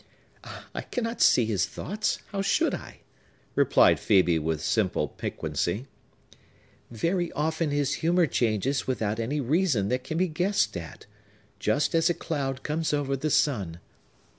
"I cannot see his thoughts! How should I?" replied Phœbe with simple piquancy. "Very often his humor changes without any reason that can be guessed at, just as a cloud comes over the sun.